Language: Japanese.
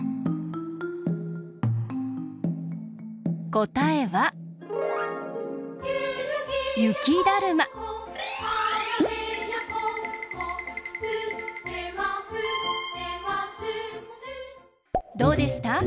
こたえはどうでした？